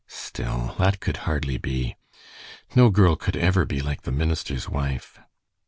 Still, that could hardly be. No girl could ever be like the minister's wife.